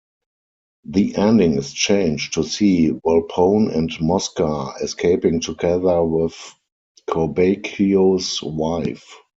The ending is changed to see Volpone and Mosca escaping together with Corbaccio's wife.